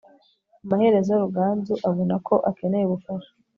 amaherezo, ruganzu azabona ko akeneye ubufasha